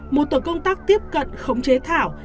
một tổ công tác tiếp cận khống chế thảo